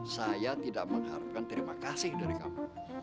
saya tidak mengharapkan terima kasih dari kamu